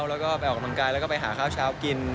แล้วก็ไปออกกำลังกายแล้วก็ไปหาข้าวเช้ากิน